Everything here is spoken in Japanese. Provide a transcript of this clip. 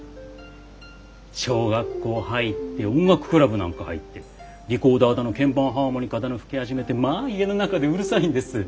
小学校入って音楽クラブなんか入ってリコーダーだの鍵盤ハーモニカだの吹き始めてまあ家の中でうるさいんです。